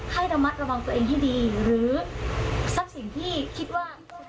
ให้ระมัดระวังตัวเองที่ดีหรือซับสิ่งที่คิดว่า